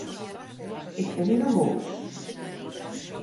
Ik bin yn 'e hûs.